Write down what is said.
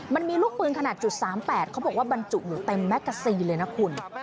มันมีลูกปืนขนาด๓๘เขาบอกว่าบรรจุอยู่เต็มแมกกาซีนเลยนะคุณ